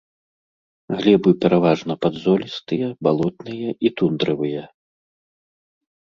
Глебы пераважна падзолістыя, балотныя і тундравыя.